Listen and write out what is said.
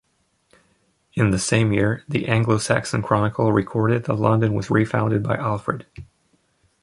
In the same year, the "Anglo-Saxon Chronicle" recorded that London was "refounded" by Alfred.